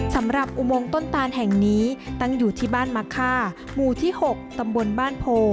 อุโมงต้นตานแห่งนี้ตั้งอยู่ที่บ้านมะค่าหมู่ที่๖ตำบลบ้านโพ